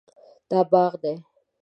دا باغ دی